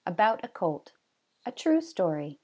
ABOUT A COLT. (A True Story.)